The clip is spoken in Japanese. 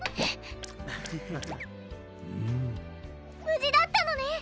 ぶじだったのね。